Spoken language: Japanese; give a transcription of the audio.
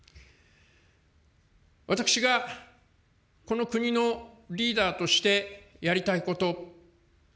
私がこの国のリーダーとしてやりたいこと。